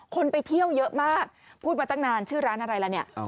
คนไปเที่ยวเยอะมากพูดมาตั้งนานชื่อร้านอะไรล่ะเนี่ย